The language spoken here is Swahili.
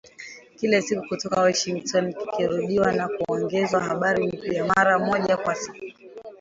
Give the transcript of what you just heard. Kila siku kutoka Washington, kikirudiwa na kuongezewa habari mpya, mara moja kwa siku.